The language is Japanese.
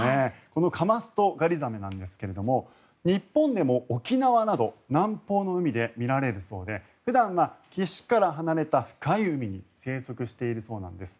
このカマストガリザメなんですが日本でも沖縄など南方の海で見られるそうで普段は岸から離れた深い海に生息しているそうなんです。